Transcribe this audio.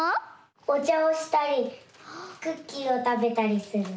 おちゃをしたりクッキーをたべたりする。